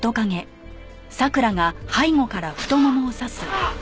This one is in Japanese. あっ！